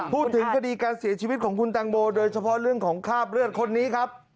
พูดถึงคดีการเสียชีวิตของคุณแตงโมโดยเฉพาะเรื่องของคราบเลือดคนนี้ครับ